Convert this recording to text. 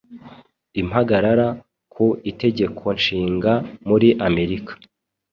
impagarara ku itegekonshinga" muri Amerika